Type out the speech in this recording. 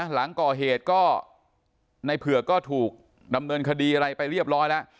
หลังก่อเหตุก็ในเผือกก็ถูกดำเนินคดีอะไรไปเรียบร้อยแล้ว